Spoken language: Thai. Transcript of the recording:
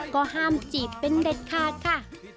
ก็ห้ามจีบเป็นเด็ดขาดค่ะ